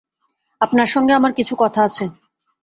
আপনার সঙ্গে আমার কিছু কথা আছে।